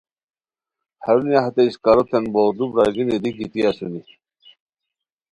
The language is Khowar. ہرونیہ ہتے اݰکاروتین بوغدو برار گینی دی گیتی اسونی